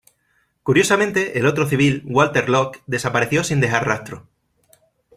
Curiosamente, el otro civil, Walter Lock, desapareció sin dejar rastro.